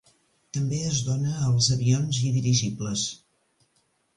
També es dóna als avions i dirigibles.